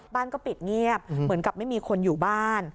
บ้านก็ปิดเงียบเหมือนกับไม่มีคนอยู่บ้าน